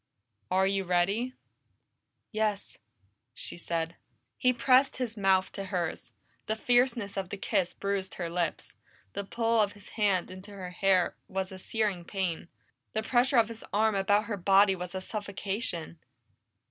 "Are you ready?" "Yes," she said. He pressed his mouth to hers. The fierceness of the kiss bruised her lips, the pull of his hand in her hair was a searing pain, the pressure of his arm about her body was a suffocation.